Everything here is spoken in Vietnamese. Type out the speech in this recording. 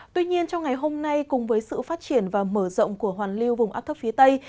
tuy nhiên trong ngày hôm nay cùng với sự phát triển và mở rộng của hoàn lưu vùng áp thấp phía tây